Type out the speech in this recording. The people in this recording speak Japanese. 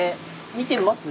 見てみます？